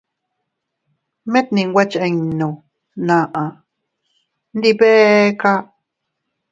Mit ndinwe chinnu naa, ndi beeka.